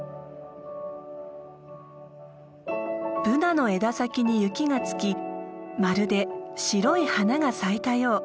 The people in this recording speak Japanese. ブナの枝先に雪が付きまるで白い花が咲いたよう。